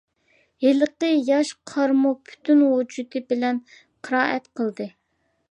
ھېلىقى ياش قارىمۇ پۈتۈن ۋۇجۇدى بىلەن قىرائەت قىلدى.